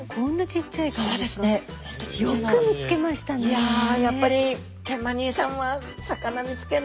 いややっぱりケンマ兄さんは魚見つける